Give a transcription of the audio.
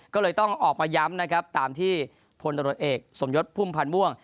ก็เลยต้องออกมาย้ำนะครับตามที่พลตรวจเอกสมยศพุ่มพันธ์ม่วง